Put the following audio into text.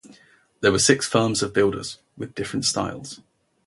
There were six firms of builders, with different styles.